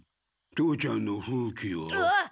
父ちゃんの風鬼は？あっ！